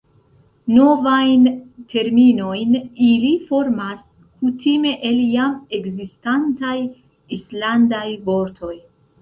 Novajn terminojn ili formas kutime el jam ekzistantaj islandaj vortoj.